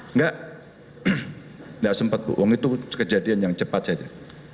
enggak enggak sempat bu wong itu kejadian yang cepat saja